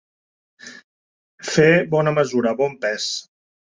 Fer bona mesura, bon pes.